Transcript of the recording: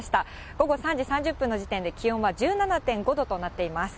午後３時３０分の時点で気温は１７．５度となっています。